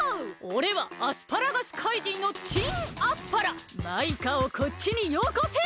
おれはアスパラガスかいじんのマイカをこっちによこせ！